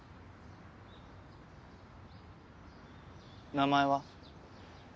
名前は？